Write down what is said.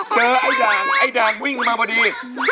เจอไอ้ดางไอ้ดางวิ่งออกมาพอดี